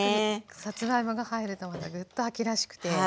さつまいもが入るとまたグッと秋らしくて。